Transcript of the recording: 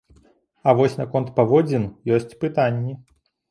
А вось наконт паводзін ёсць пытанні.